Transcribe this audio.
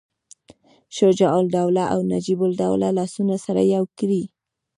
شجاع الدوله او نجیب الدوله لاسونه سره یو کړي.